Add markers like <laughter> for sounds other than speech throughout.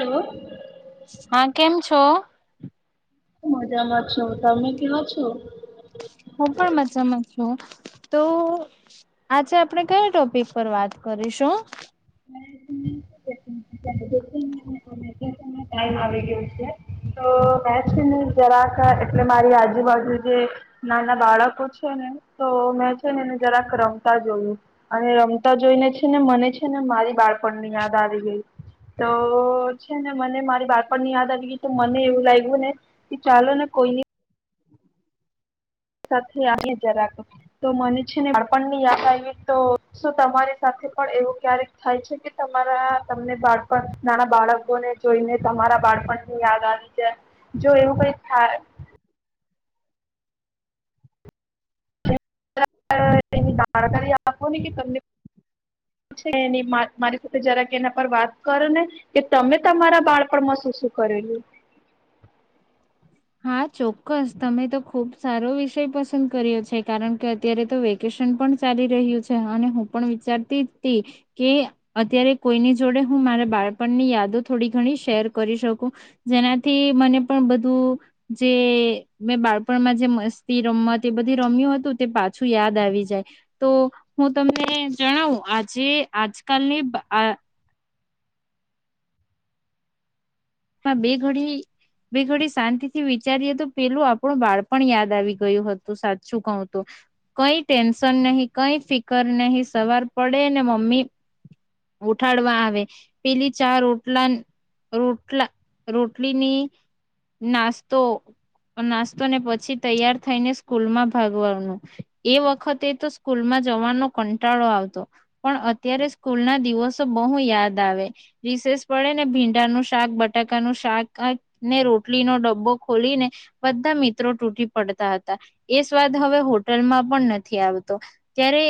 Hello હા કેમ છો મજામાં છો તમે કમ છો હું પણ મજામાં છું તો આજે આપણે કયા ટોપિક પર વાત કરીશું જરાક એટલે મારી આજુબજુ જે નાના બાળકો છે ને તો મેં છે ને એને જરાક રમતા જોયું અને રમતા જોઈને છે ને મને છે ને મારી બચપન નિયાદ આવે તો છે ને મને મારી બાળપણ ની યાદ આવી ગઈ તો મને એવું લાગ્યું ને કે ચાલો ને કોઈ નઈ સાથે આવી જરા તો મને છે ને બાળપણની યાદ આવી તો શું તમારી સાથે પણ એવું ક્યારેક થાય છે કે તમારા તમને બાળપણ નાના બાળકોને જોઈને તમારા બાળપણની યાદ આવી જાય જો એવું કઈ થાય ની જાણકારી આપોને કે ત મારી સાથે જરા એના પર વાત કરો ને કે તમે તમારા બાળપણમાંસ શું શું કરેલું હા ચોક્કસ તમે તો ખુબ સારો વિષય પસંદ કર્યો છે કારણ કે અત્યારે તો વેકેશન પણ ચાલી રહ્યું છે અને હું પણ વિચારતી હતી કે અત્યારે કોઈની જોડે હું મારા બાળપણની યાદો થોડી ઘણી શેર કરી શકું જેનાથી મને પણ બધું જે મેં બાળપણમાં જે મસ્તી રમત એ બધી રમ્યું હતું તે પાછું યાદ આવી જાય તો હું તમને જણાવું આજે આજકાલની આ બે ઘડી બે ઘડી શાંતિ થી વિચારીએ તો પેલું આપણું બાળપણ યાદ આવી ગયું હતું સાચું કઉ તો કઈ ટેન્શન નહી કઈ ફિકર નહી સવાર પડે ને મમ્મી ઉઠાડવા આવે પેલી ચા રોટલા રો રોટલીની નાસ્તો નાસ્તોને પછી તૈયાર થઈને સ્કૂલ માં ભાગવાનું એ વખતે તો સ્કૂલમાં જવાનો કંટાળો આવતો પણ અત્યારે સ્કૂલ ના દિવસો બહુ યાદ આવે રિસેષ પડે ને ભીંડાનું શાક બટાકાનું શાક ને રોટલીનો ડબ્બો ખોલીને બધા મિત્રો તૂટી પડતા હતા એ સ્વાદ હવે હોટલમાં પણ નથી આવતો ત્યારે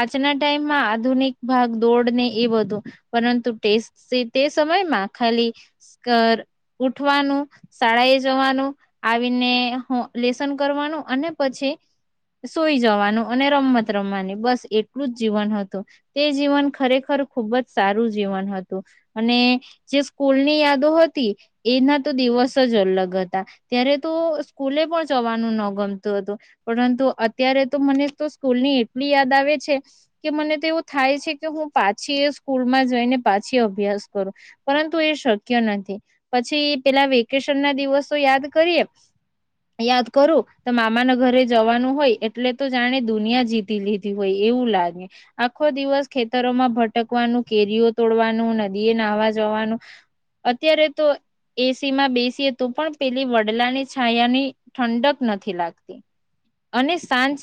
આજના ટાઈમમાં આધુનિક ભાગ દોડને એ બધું પરંતુ ટેસ્ટ તે સમયમાં ખાલી સ્કર ઉઠવાનું શાળાએ જવાનું આવીને હુઅ લેસન કરવાનું અને પછી સોઈ જવાનું અને રમત રમવાની બસ એટલું જ જીવન હતું. તે જીવન ખરેખર ખુબ જ સારું જીવન હતું અને જે સ્કૂલની યાદો હતી એના તો દિવસ જ અલગ હતા. ત્યારે તો સ્કૂલે પણ જવાનું ન ગમતું હતું પરંતુ અત્યારે તો મને તો સ્કૂલ ની એટલી યાદ આવે છે કે મને તો એવું થાય છે કે હું પાછી એ સ્કૂલમાં જઈને પાછી અભ્યાસ કરું પરંતુ એ શક્ય નથી. પછી પેલા વેકેશન ના દિવસ તો યાદ કરીએ યાદ કરું તો મામાના ઘરે જવાનું હોય એટલે તો જાણે દુનિયા જીતી લીધી હોય એવું લાગે આખો દિવસ ખેતરોમાં ભટકવાનું કેરીઓ તોડવાનું નદીએ નાહવા જવાનું. અત્યારે તો એસી માં બેસી હતું પણ પેલી વડલાની છાયાની ઠંડક નથી લાગતી અને સાંજ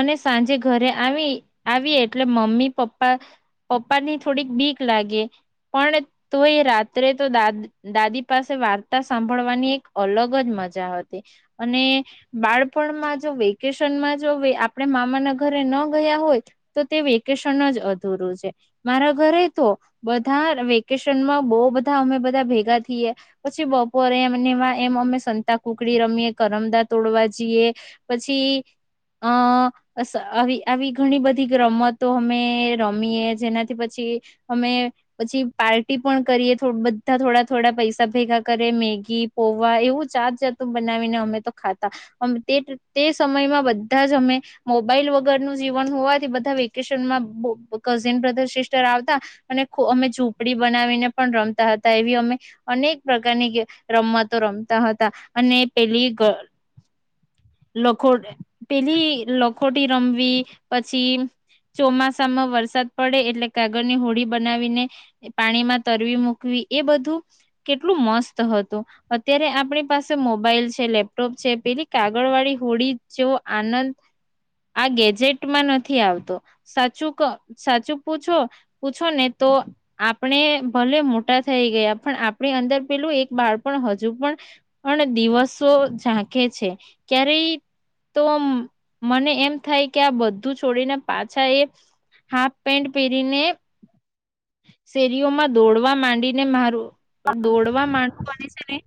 અને સાંજે ઘરે આવી આવી એટલે મમ્મી પપ્પા પપ્પાની થોડીક ભીક લાગે પણ તો એ રાત્રે તો દાદ દાદી પાસે વાર્તા સાંભળવાની એક અલગ જ મજા હતી અને બાળપણમાં જો વેકેશનમાં જો આપણે મામાના ઘરે ન ગયા હોય તો તે વેકેશન જ અધૂરું છે મારા ઘરે તો બ ધા વેકેશનમાં બહ બધા અમે બધા ભેગા થઈએ પછી બપોરે એમ એમ અમે સંતાકુકડી રમીએ, કરમદા તોડવા જઈએ પછી અ આવી આવી ઘણી બધી રમતો અમે રમીએ જેનાથી પછી અમે પછી પાર્ટી પણ કરીએ બધા થોડા થોડા પૈસા ભેગા કરે મેગી પોવા એવું જાત જાતું બનાવીને અમે તો ખાતા. તે સમયમાં બધા જ અમે મોબાઈલ વગરનું જીવન હોવાથી બધા વેકેશનમાં કઝિન બ્રધર સિસ્ટર આવતા અને અમે ઝૂંપડી બનાવીને પણ રમતા હતા એવી અમે અનેક પ્રકારની રમતો રમતા હતા અને પેલી લખો પેલી લખોટી રમવી પછી ચોમાસામાં વરસાદ પડે એટલે કાગળની હોડી બનાવીને પાણીમાં તરવી મૂકવી એ બધું કેટલું મસ્ત હતું. અત્યારે આપણી પાસે મોબાઈલ છે લેપટોપ છે પેલી કાગળ વાળી હોડી જેવો આનંદ આ ગેજેટમાં નથી આવતો સાચું સાચું પૂછો પૂછો ને તો આપણે ભલે મોટા થઈ ગયા પણ આપણી અંદર પેલું એક બાળપણ હજુ પણ પણ દિવસો ઝાંકેે છે ક્યારેય તો મને એમ થાય કે આ બધું છોડીને પાછા એ હાફ પેન્ટ પહેરીને શેરીઓમાં દોડવા માંડીને મારું દોડવા માંડવ અને છે ને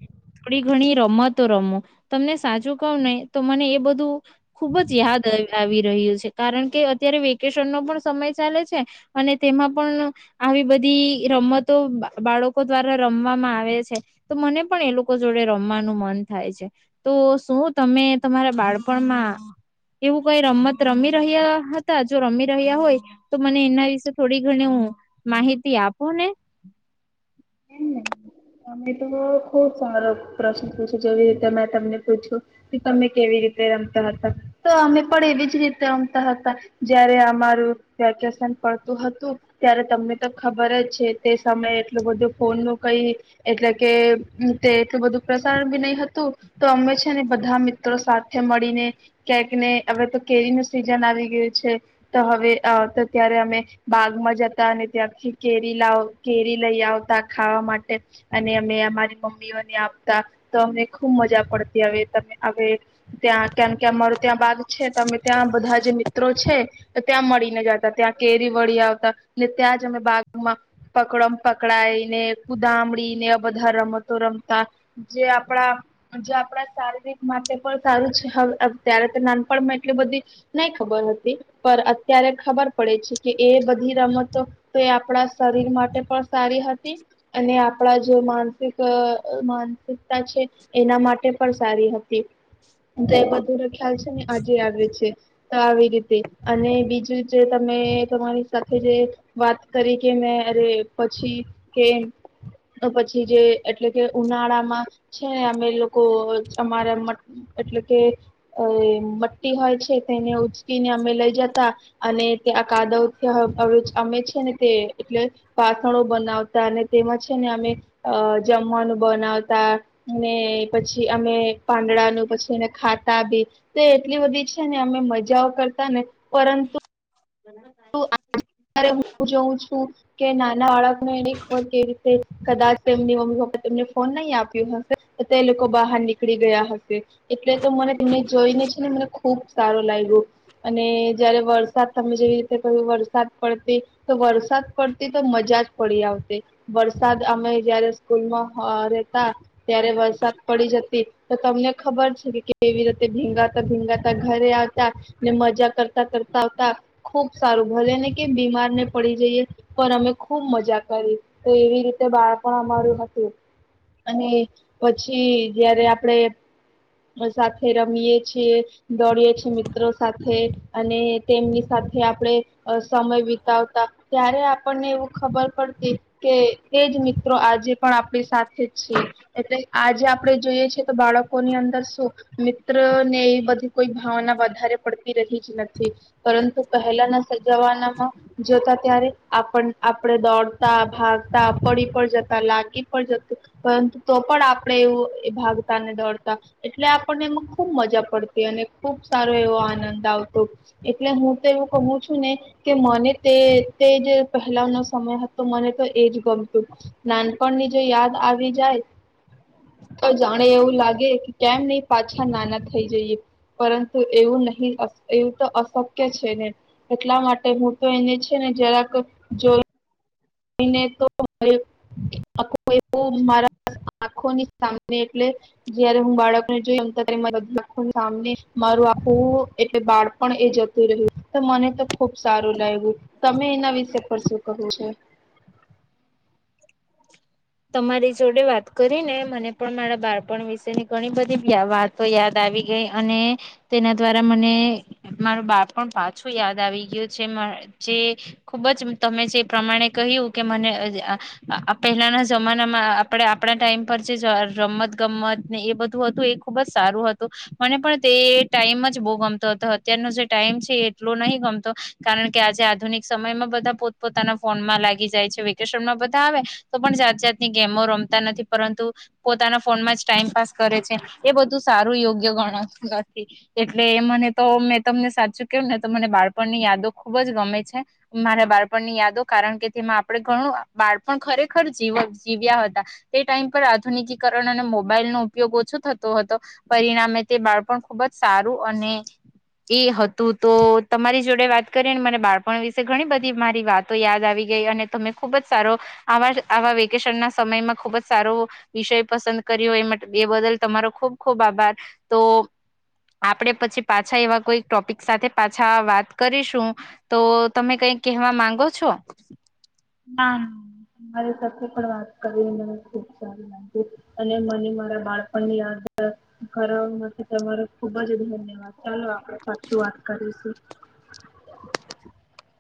થોડી ઘણી રમતો રમો તમને સાચું કવ ને તો મને એ બધું ખુબ જ યાદ આવી રહ્યું છે કારણ કે અત્યારે વેકેશન નો પણ સમય ચાલે છે અને તેમાં પણ આવી બધી રમતો બાળકો દ્વારા રમવામાં આવે છે તો મને પણ એ લોકો જોડે રમવાનું મન થાય છે. તો શું તમે તમારા બાળપણમાં એવું કઈ રમત રમી રહ્યા હતા જો રમી રહ્યા હોય તો મને એના વિશે થોડી ઘણી હુ માહિતી આપો ને. અમે તો ખુબ સારો પ્રશ્ન પૂછ્યું જેવી રીતે મેં તમને પૂછ્યું કે તમે કેવી રીતે રમતા હતા? તો અમે પણ એવી જ રીતે રમતા હતા જયારે અમારું વેકેશન પડતું હતું ત્યારે તમને તો ખબર જ છે તે સમયે એટલું બધું ફોનનું કઈ એટલે કે તે એટલું બધું પ્રસારણ બી નહી હતું. તો અમે છે ને બધા મિત્રો સાથે મળીને ક્યાંક ને હવે તો કેરી નું સીઝન આવી ગયું છે. તો હવે ત્યારે અમે બાગમાં જતા અને ત્યાંથી કેરી લાવ કેરી લઈ આવતા. ખાવા માટે અને અમે અમારી મમ્મીઓને આપતા તો અમને ખુબ મજા પડતી. હવે તમે હવે ત્યાં કેમ કે અમારો ત્યાં બાગ છે તો અમે ત્યાં બધા જે મિત્રો છે. ત્યાં મળીને જતા. ત્યાં કેરી વળી આવતા ને ત્યાં જ અમે બાગમાં પકડમ-પકડાયી ને કુદામડી ને આ બધા રમતો રમતા જે આપણા જે આપણા શારીરિક માટે પણ સારું છેત્યારે તો નાનપણમાં એટલી બધી નહી ખબર હતી પણ અત્યારે ખબર પડે છે કે એ બધી રમતો તો એ આપણા શરીર માટે પણ સારી હતી. અને આપણા જે માનસિક માનસિકતા છે એના માટે પણ સારી હતી. તો એ બધું ખ્યાલ છે ને આજે આવે છે તો આવી રીતે અને બીજું જે તમે તમારી સાથે જે વાત કરી કે મેં અરે પછી કે પછી જે એટલે કે ઉનાળામાં છે ને અમે લોકો અમારા એટલે કે મટ્ટી હોય છે, તેને ઉચકીને અમે લઈ જતા અને તે આ કાદવ અમે છે ને તેટલે વાસણો બનાવતા અને તેમાં છે ને અમે જમવાનું બનાવતા પછી અમે પાંદડાનું પછી એને ખાતા બી તો એટલી બધી છે ને અમે મજાઓ કરતા ને પરંતુ અત્યારે હું જોઉં છું, કે નાના બાળકને એની ખબર કેવી રીતે કદાચ તેમની મમ્મી પપ્પા તને ફોન નહી આપ્યો હશે તો તે લોકો બહાર નીકળી ગયા હશે, એટલે તો મને તને જોઈને છે ને મને ખુબ સારો લાગ્યો, અને જયારે વરસાદ તમે જેવી રીતે ક્યું વરસાદ પડતી, તો વરસાદ પડતી તો મજા જ પડી આવસે, વરસાદ અમે જયારે સ્કૂલમાં રહેતા ત્યારે વરસાદ પડી જતી, તો તમને ખબર છે કેવી રીતે ભીંગાતા-ભીંગાતા ઘરે આવતા, ને મજા કરતા કરતા આવતા ખુબ સારું, ભલે ને કેમ બીમારને પડી જઈએ, પણ અમે ખૂબ મજા કરી તો એવી રીતે બાળપણ અમારું હતું, અને પછી જયારે આપણેે સાથે રમીયએ છીએ, દોડીએ છે મિત્રો સાથે. અને તેમની સાથે આપણે અસ સમય વિતાવતા, ત્યારે આપણને એવું ખબર પડતી કે તેજ મિત્રો આજે પણ આપણી સાથે છીએ, એટલે આજે આપણે જોઈએ છેએ તો બાળકોની અંદર શું, મિત્ર ને એ બધી કોઈ ભાવના વધારે પડતી રહી જ નથી, પરંતુ પહેલાના જવાનામાં જોતા ત્યારે આપણ આપણેે દોડતા ભાગતા પડી પણ જતા લાગી પણ જતું, પરંતુ તો પણ આપણે એવું ભાગતા ને દોડતા, એટલે આપણને એમાં ખુબ મજા પડતી અને ખુબ સારો એવો આનંદ આવતો, એટલે હું તો એવું કહું છું મને તે તે જ પહેલાનો સમય હતો મને તો એ જ ગમતું, નાનપણની જો યાદ આવી જાય, તો જાણે એવું લાગે કેમ નહી પાછા નાના થઈ જઈએ, પરંતુ એવું નહી એવું તો અશક્ય છે ને. એટલા માટે હું તો એને છે ને જરાક જો મારા આંખોની સા એટલે જયારે હું બાળકને જો મારું આખું એટલે બાળ પણ એ જતું રહ્યું તો મને તો ખુબ સારું લાગ્યું તમે એના વિશે પર શું કહો છો? <unintelligible> તમારી જોડે વાત કરી ને મને પણ મારા બાળપણ વિશેની ઘણી બધી વાતો યાદ આવી ગઈ અને, તેના દ્વારા મને મારું બાળપણ પાછું યાદ આવી ગયું છે જે ખુબ જ તમે જે, પ્રમાણે કહ્યું કે મને અ અ પહેલાના જમાનામાં આપણે આપણા ટાઈમ પર જે રમત ગમત ને એ બધું હતું એ ખુબ જ સારું હતું, મને પણ તે ટાઈમ જ બહુ ગમતો હતો અત્યારનો જે ટાઈમ છે એ એટલો નહ ગમતો, કારણ કે આજે આધુનિક સમયમાં બધા પોતપોતાના ફોનમાં લાગી જાય છે વેકેશનમાં બધા આવે, તો પણ જાતની ગેમો રમતા નથી પરંતુ, પોતાના ફોનમાં જ ટાઈમ પાસ કરે છે, એ બધું સારું યોગ્ય ગણતું નથી, એટલે મને તો મેં તમને સાચું કેવું ને તો મને બાળપણની યાદો ખુબ જ ગમે છે, મારા બાળપણની યાદો કારણ કે તેમાં આપડે ઘણું બાળપણ ખરેખર જીવ જીવ્યા હતા, તે ટાઈમ પર આધુનિકીકરણ અને મોબાઈલ નો ઉપયોગ ઓછો થતો, હતો પરિણામે તે બાળપણ ખુબ જ સારું અને એ હતું તો તમારી જોડે વાત કરીને મારા બાળપણ વિશે ઘણી બધી મારી વાતો યાદ આવી ગઈ અને તમે ખુબ જ સારો, આવા આવા વ કેશન ના સમયમાં ખુબ જ સારો, વિષય પસંદ કર્યો એ એ બદલ તમારો ખુબ ખુબ આભાર, તો આપડે પછી પાછા એવા કોઈ ટોપિક સાથે પાછા વાત કરીશું, તો તમે કંઈક કહેવા માંગો છો? હા, મારી સાથે પણ વાત કરી મને ખુબ સારું લાગ્યું, અને મને મારા બાળપણ ની યાદ કરવા માટે તમારો ખુબ જ ધન્યવાદ. ચાલો આપડે પાછી વાત કરીશું. <inaudible>